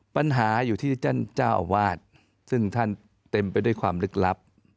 ปัญหาอยู่ที่ท่านเจ้าอาวาสซึ่งท่านเต็มไปด้วยความลึกลับ